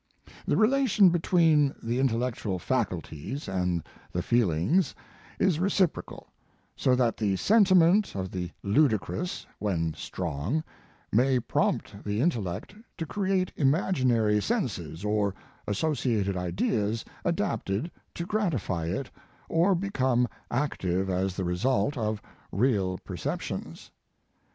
The relation between the intel lectual faculties and the feelings is recipro cal, so that the sentiment of the ludi crous, when strong, may prompt the in tellect to create imaginary senses or associated ideas adapted to gratify It, or become active as the result of real per ceptions.